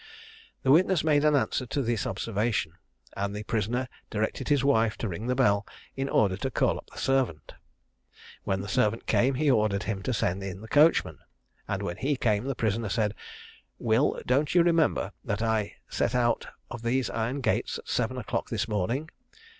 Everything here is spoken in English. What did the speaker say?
The witness made an answer to this observation, and the prisoner directed his wife to ring the bell in order to call up the servant. When the servant came, he ordered him to send in the coachman; and when he came, the prisoner said, "Will, don't you remember that I set out of these iron gates at seven o'clock this morning?"